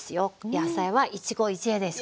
野菜は一期一会ですから。